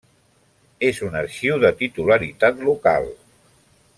És un arxiu de titularitat local.